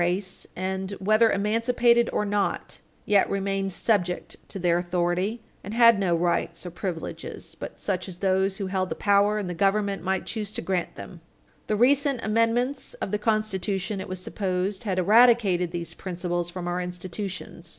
560 race, and, whether emancipated or not, yet remained subject to their authority, and had no rights or privileges but such as those who held the power and the government might choose to grant them." 19 How. 60 U. S. 393, 60 U. S. 404. The recent amendments of the Constitution, it was supposed, had eradicated these principles from our institutions.